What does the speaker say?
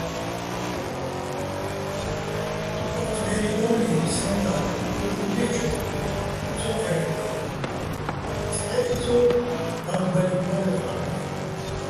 ოჴ დე́ნიდო́ლიჼ სეჼ და́დ ო კუჲდე́ჩოვ ცო ჴე́რ'ლვიენვაგე̆, წყეჸ ცო ბაგბალინბაგე̆ ღა́ნოხ.